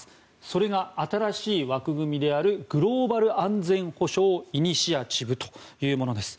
それは新しい枠組みであるグローバル安全保障イニシアチブというものです。